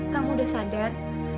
kamu sudah sadar